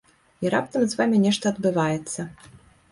І раптам з вамі нешта адбываецца.